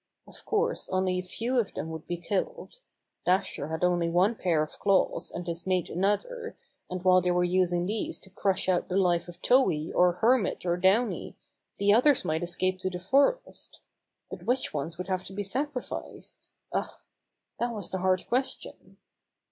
Of course only a few of them would be killed. Dasher had only one pair of claws and his mate another, and while they were using these to crush out the life of Tow hee or Hermit or Downy the others might escape to the forest. But which ones would have to be sacrificed? Ah! that was the hard question.